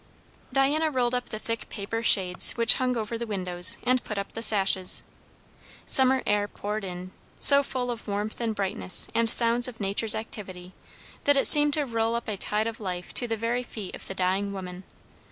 Diana rolled up the thick paper shades which hung over the windows, and put up the sashes. Summer air poured in, so full of warmth and brightness and sounds of nature's activity, that it seemed to roll up a tide of life to the very feet of the dying woman.